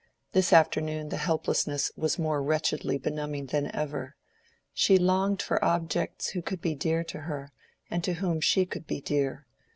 This afternoon the helplessness was more wretchedly benumbing than ever: she longed for objects who could be dear to her, and to whom she could be dear.